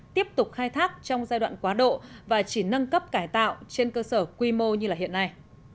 tiếp tục khai thác trong giai đoạn quá độ và chỉ nâng cấp cải tạo trên cơ sở quy mô như hiện nay